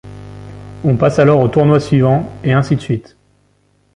On passe alors au tournoi suivant, et ainsi de suite.